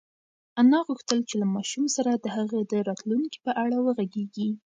انا غوښتل چې له ماشوم سره د هغه د راتلونکي په اړه وغږېږي.